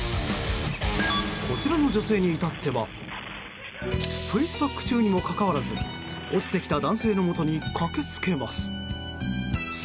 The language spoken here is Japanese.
こちらの女性に至ってはフェイスパック中にもかかわらず落ちてきた男性のもとに駆けつけます。